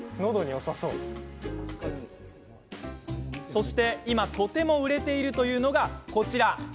そして、今とても売れているというのが、こちら。